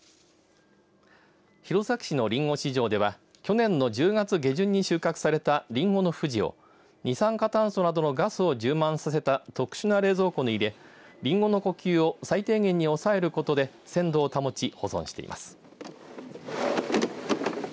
弘前市のりんご市場では去年の１０月下旬に収穫されたりんごのふじを二酸化炭素などのガスを充満させた特殊な冷蔵庫に入れりんごの呼吸を最低限に抑えることで鮮度を保ち保存しています。